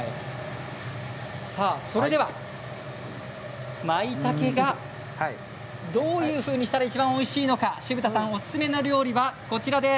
それでは、まいたけがどういうふうにしたらいちばんおいしいのか渋田さんおすすめの料理はこちらです。